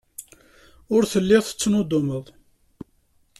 Ur telliḍ tettnuddumeḍ.